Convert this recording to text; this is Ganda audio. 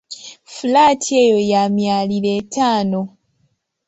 Fulaati eyo ya myaliiro etaano.